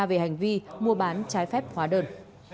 về hành vi mua bán trái phép hóa đơn